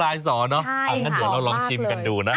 งั้นเดี๋ยวเราลองชิมกันดูนะ